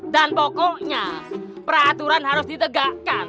dan pokoknya peraturan harus ditegakkan